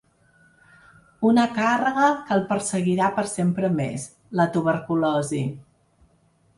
Una càrrega que el perseguirà per sempre més, la tuberculosi.